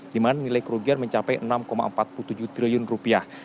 di mana nilai kerugian mencapai enam empat puluh tujuh triliun rupiah